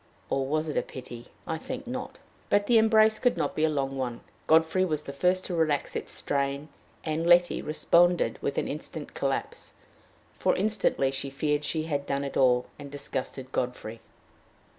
Or was it a pity? I think not. But the embrace could not be a long one. Godfrey was the first to relax its strain, and Letty responded with an instant collapse; for instantly she feared she had done it all, and disgusted Godfrey.